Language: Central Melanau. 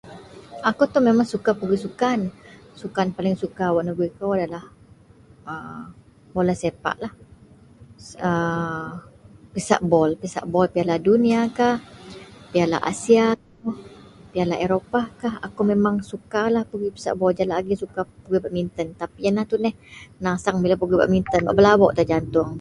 Akou ito memeng suka pegoi sukan. Sukan wak paling suka negoi kou iyenlah bola sepak lah pisak bol piala duniakah piala asiakah piala europakah. Akou memang sukalah pegoi badminton bak belabouk tan jatuong